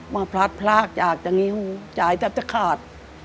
มาพลัดพลากจากจังหิ้งจ่ายจับจากขาด